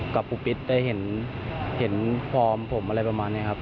กับปูปิ๊ดได้เห็นฟอร์มผมอะไรประมาณนี้ครับ